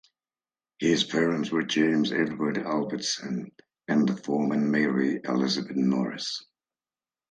His parents were James Edward Albertson and the former Mary Elizabeth Norris.